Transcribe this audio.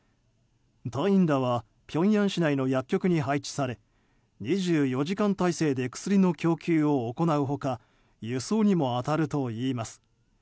隊員らはピョンヤン市内の薬局に配置され２４時間態勢で薬の供給を行う他輸送にも当たるといいます。